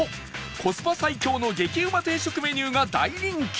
コスパ最強の激うま定食メニューが大人気